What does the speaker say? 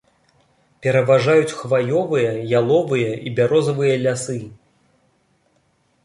Пераважаюць хваёвыя, яловыя і бярозавыя лясы.